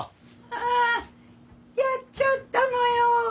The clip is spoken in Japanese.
ああやっちゃったのよ。